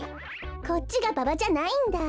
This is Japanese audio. こっちがババじゃないんだ。